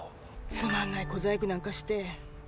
つまんない小細工なんかして。